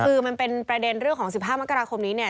คือมันเป็นประเด็นเรื่องของ๑๕มกราคมนี้เนี่ย